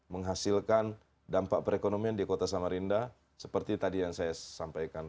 menghasilkan dampak perekonomian di kota samarinda seperti tadi yang saya sampaikan